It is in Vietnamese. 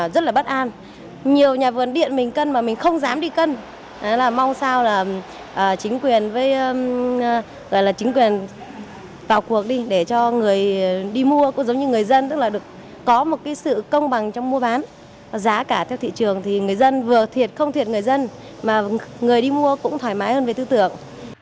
giá cả theo thị trường thì người dân vừa thiệt không thiệt người dân mà người đi mua cũng thoải mái hơn về tư tưởng